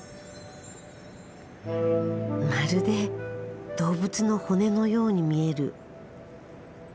まるで動物の骨のように見える。